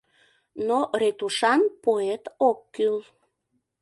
Но ретушан поэт ок кӱл.